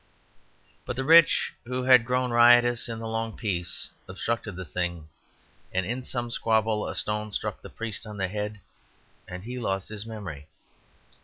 But the rich, who had grown riotous in the long peace, obstructed the thing, and in some squabble a stone struck the priest on the head and he lost his memory.